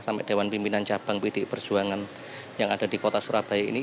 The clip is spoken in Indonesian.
sampai dewan pimpinan cabang pdi perjuangan yang ada di kota surabaya ini